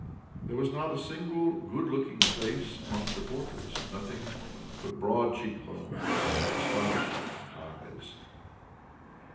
There was not a single good looking face among the portraits, nothing but broad cheekbones and astonished looking eyes.